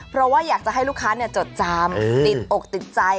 เพราะว่าอยากจะให้ลูกค้าจดจำติดอกติดใจ